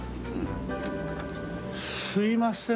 すいません。